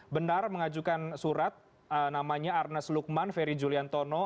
benar mengajukan surat namanya arnas luqman feri juliantono